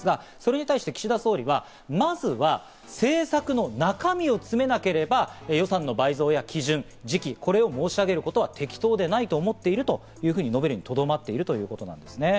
それに対して岸田総理はまずは政策の中身を詰めなければ、この予算倍増の基準や時期、これを申し上げることは適当でないと思っていると述べていますね。